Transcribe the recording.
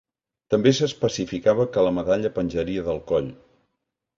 També s'especificava que la medalla penjaria del coll.